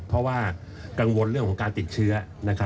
เพราะว่ากังวลเรื่องของการติดเชื้อ